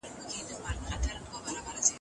ماشومان په مینه وروزوئ.